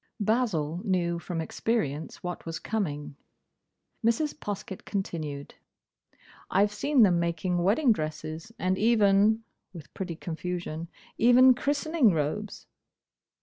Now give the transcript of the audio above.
Basil knew from experience what was coming. Mrs. Poskett continued, "I've seen them making wedding dresses, and even," with pretty confusion, "even christening robes."